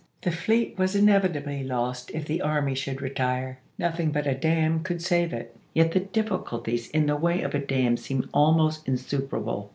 The fleet was inevi tably lost if the army should retire ; nothing but a dam could save it. Yet the difficulties in the way of a dam seemed almost insuperable.